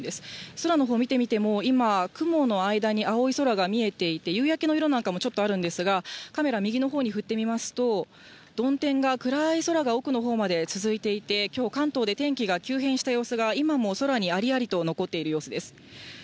空のほうを見てみても、今、雲の間に青い空が見えていて、夕焼けの色なんかもちょっとあるんですが、カメラ、右のほうに振ってみますと、曇天が、暗い空が、奥のほうまで続いていて、きょう、関東で天気が急変した様子が、今も空にありありと残っている様子です。